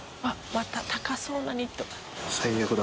また高そうなニットだ。